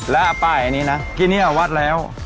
แล้วป้ายอันนี้นะที่นี่วัดแล้ว